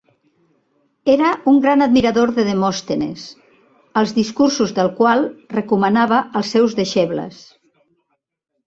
Era un gran admirador de Demòstenes, els discursos del qual recomanava als seus deixebles.